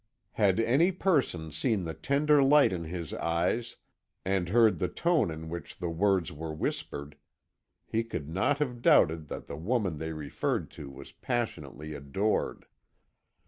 Had any person seen the tender light in his eyes, and heard the tone in which the words were whispered, he could not have doubted that the woman they referred to was passionately adored.